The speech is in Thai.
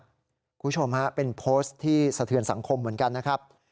คุณผู้ชมฮะเป็นโพสต์ที่สะเทือนสังคมเหมือนกันนะครับ